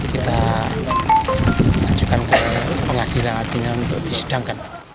kita ajukan ke pengadilan artinya untuk disidangkan